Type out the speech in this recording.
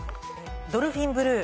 ドルフィンブルー。